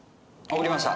送りました。